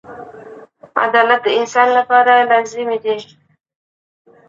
د مورخينو په ليکنو کې لافې ډېرې دي.